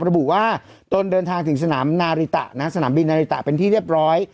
ระบุว่าตนเดินทางถึงสนามนาริตะนะสนามบินนาริตะเป็นที่เรียบร้อย